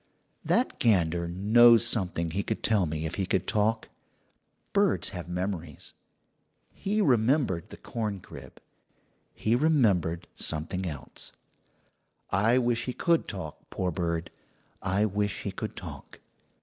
"That gander knows something he could tell me if he could talk. Birds have memories. He remembered the corncrib he remembered something else. I wish he could talk, poor bird! I wish he could talk.